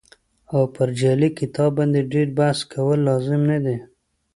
او پر جعلي کتاب باندې ډېر بحث کول لازم نه دي.